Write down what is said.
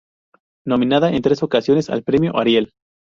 Nominada en tres ocasiones al premio Ariel.